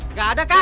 nggak ada kang